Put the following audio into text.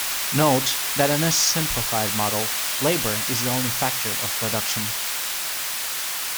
Note that in this simplified model, labour is the only factor of production.